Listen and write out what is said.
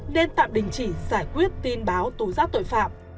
nên tạm đình chỉ giải quyết tin báo tố giác tội phạm